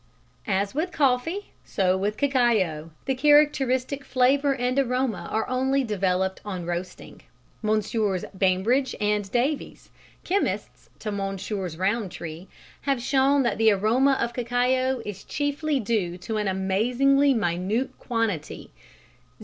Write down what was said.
_ As with coffee so with cacao, the characteristic flavour and aroma are only developed on roasting. Messrs. Bainbridge and Davies (chemists to Messrs. Rowntree) have shown that the aroma of cacao is chiefly due to an amazingly minute quantity (0.